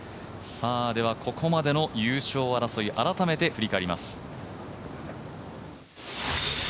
ではここまでの優勝争い改めて振り返ります。